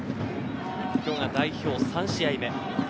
今日が代表３試合目。